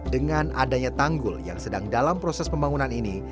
dengan adanya tanggul yang sedang dalam proses pembangunan ini